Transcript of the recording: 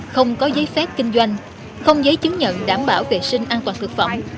không có giấy phép kinh doanh không giấy chứng nhận đảm bảo vệ sinh an toàn thực phẩm